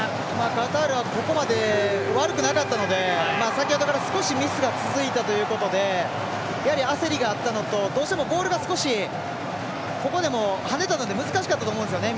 カタールはここまで悪くなかったので先ほどから、少しミスが続いたということで焦りがあったのとどうしてもボールが少しここでもはねたので難しかったと思うんですよね